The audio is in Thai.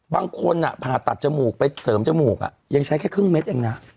บางคนผ่าตัดจมูกไปเสริมจมูกยังใช้แค่ครึ่งเม็ดเองนะ